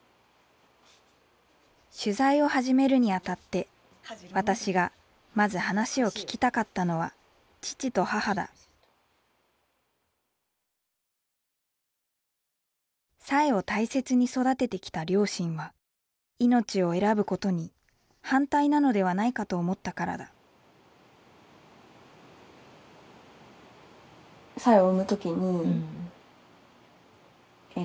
取材を始めるにあたって私がまず話を聞きたかったのは父と母だ彩英を大切に育ててきた両親は命を選ぶことに反対なのではないかと思ったからだえっ